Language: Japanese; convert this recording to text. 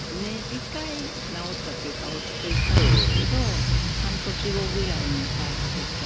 一回治ったっていうか落ち着いたんですけど半年後ぐらいに再発しちゃって。